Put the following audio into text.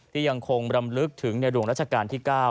ยังคงรำลึกถึงในหลวงราชการที่๙